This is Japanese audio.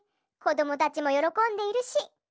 こどもたちもよろこんでいるし。